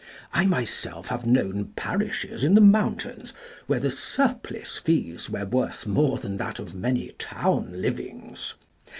I myself have known parishes in the mountains where the surplice fees were worth more than that of many town livings.